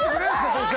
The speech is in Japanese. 先生！